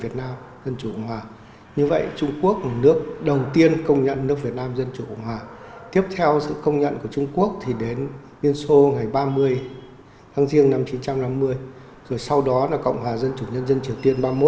tháng giêng năm một nghìn chín trăm năm mươi rồi sau đó là cộng hòa dân chủ nhân dân triều tiên ba mươi một